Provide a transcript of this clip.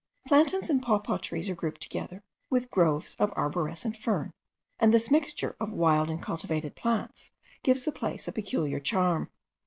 Plantains and papaw trees are grouped together with groves of arborescent fern; and this mixture of wild and cultivated plants gives the place a peculiar charm.